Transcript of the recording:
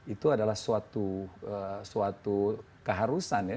itu adalah suatu keharusan ya